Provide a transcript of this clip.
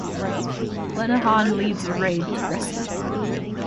Lenihan leads a raid to rescue him.